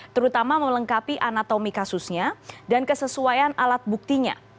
terutama melengkapi anatomi kasusnya dan kesesuaian alat buktinya